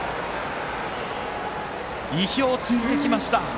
意表を突いてきました。